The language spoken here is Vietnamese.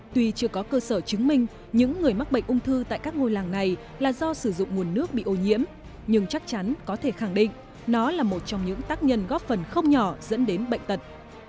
tuy chưa có cơ sở chứng minh những người mắc bệnh ung thư tại các ngôi làng này là do sử dụng nguồn nước bị ô nhiễm nhưng chắc chắn có thể khẳng định nó là một trong những tác nhân góp phần không nhỏ dẫn đến bệnh tật